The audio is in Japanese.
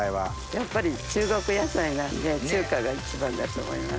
やっぱり中国野菜なんで中華が一番だと思います。